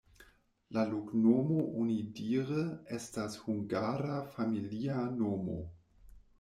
La loknomo onidire estas hungara familia nomo.